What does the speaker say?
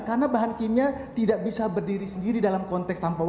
karena bahan kimia tidak bisa berdiri sendiri dalam konteks tanpa wadahnya